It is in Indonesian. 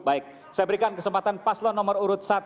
baik saya berikan kesempatan paslo nomor urut satu